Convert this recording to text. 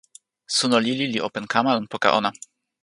suno lili li open kama lon poka ona.